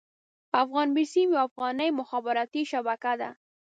افغان بيسيم يوه افغاني مخابراتي شبکه ده.